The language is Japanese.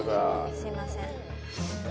すいません。